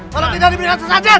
karena tidak diberikan sesajen